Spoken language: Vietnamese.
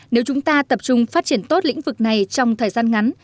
nếu chúng ta tập trung phát triển tốt lĩnh vực này trong thời gian ngắn